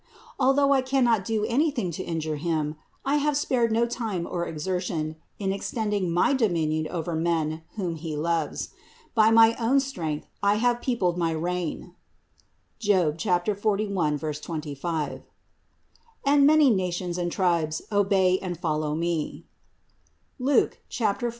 Although I cannot do anything to injure Him, I have spared no time or exertion in extending my dominion over men whom He loves. By my own strength I have peopled my reign (Job 41, 25) and many nations and tribes obey and follow me (Luke 4, 6).